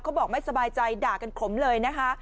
บอกไม่สบายใจด่ากันขลมเลยนะคะ